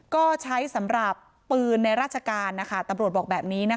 ก็ใช้สำหรับปืนในราชการนะคะตำรวจบอกแบบนี้นะคะ